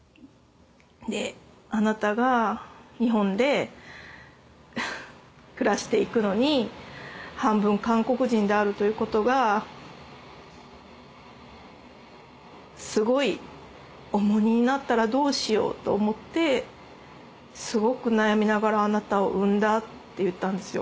で「あなたが日本で暮らしていくのに半分韓国人であるということがすごい重荷になったらどうしようと思ってすごく悩みながらあなたを産んだ」って言ったんですよ。